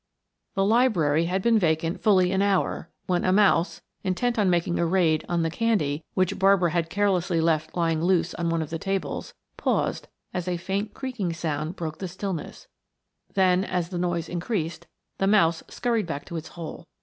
The library had been vacant fully an hour when a mouse, intent on making a raid on the candy which Barbara had carelessly left lying loose on one of the tables, paused as a faint creaking sound broke the stillness, then as the noise increased, the mouse scurried back to its hole.